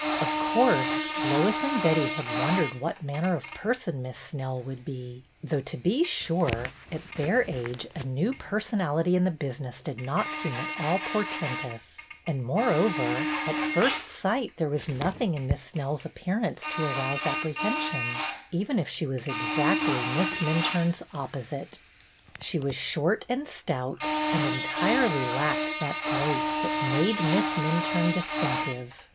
Of course, Lois and Betty had wondered what manner of person Miss Snell would be, though, to be sure, at their age a new person ality in the business did not seem at all por tentous; and, moreover, at first sight there was nothing in Miss Snell's appearance to arouse apprehension, even if she was exactly Miss Minturne's opposite. She was short and stout, and entirely lacked that grace that made Miss Minturne distinctive.